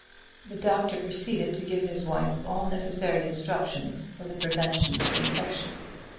The doctor proceeded to give his wife all necessary instructions for the prevention of infection.